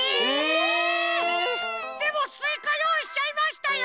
でもスイカよういしちゃいましたよ！